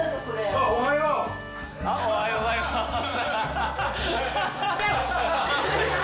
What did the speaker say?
おはようございます。